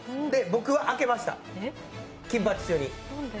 僕は開けました「金八」中に。